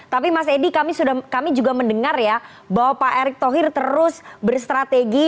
tapi mas edi kami juga mendengar ya bahwa pak erick thohir terus berstrategi